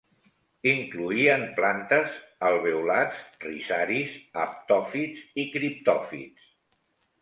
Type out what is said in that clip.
Incloïen plantes, alveolats, rizaris, haptòfits i criptòfits.